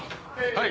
はい。